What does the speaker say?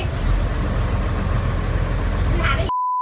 ที่เมื่อกี้มันก็ไม่ติด